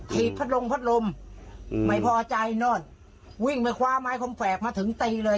พัดลมพัดลมอืมไม่พอใจโน่นวิ่งไปคว้าไม้คมแฝกมาถึงตีเลย